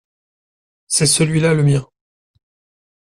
C’est celui-là le mien.